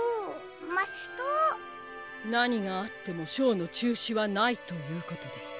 なにがあってもショーのちゅうしはないということです。